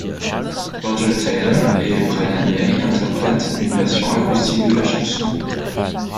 Roger Taylor et Brian May interprètent une version acoustique de la chanson.